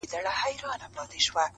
سیاه پوسي ده ـ افغانستان دی ـ